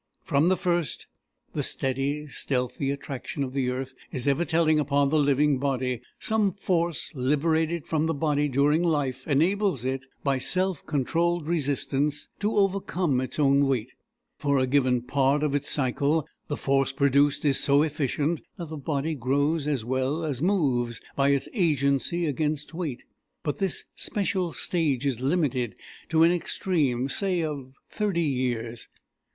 From the first, the steady, stealthy attraction of the earth is ever telling upon the living body. Some force liberated from the body during life enables it, by self controlled resistance, to overcome its own weight. For a given part of its cycle the force produced is so efficient, that the body grows as well as moves by its agency against weight; but this special stage is limited to an extreme, say, of thirty years.